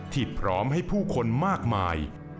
ที่พร้อมให้ผู้คนมากมาย